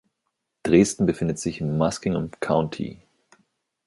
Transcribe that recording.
Dresden befindet sich im Muskingum County.